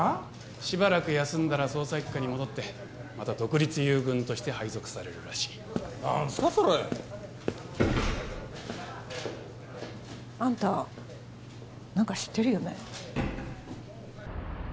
しばらく休んだら捜査一課に戻ってまた独立遊軍として配属されるらしい何すかそれあんた何か知ってるよね